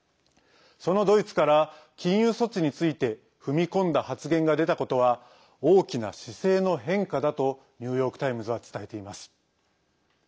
そのドイツから禁輸措置について踏み込んだ発言が出たことは大きな姿勢の変化だとニューヨーク・タイムズは伝えています。